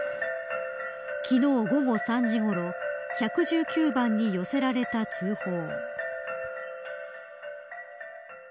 昨日、午後３時ごろ１１９番に寄せられた通報。